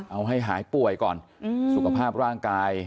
เอาให้หายป่วยก่อนสุขภาพร่างกาย